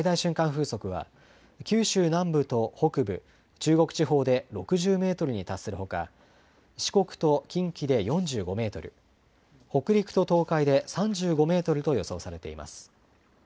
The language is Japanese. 風速は九州南部と北部、中国地方で６０メートルに達するほか、四国と近畿で４５メートル、北陸と東海で３５メートルと予想されています。